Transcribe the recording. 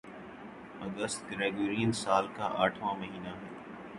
اگست Gregorian سال کا آٹھواں مہینہ ہے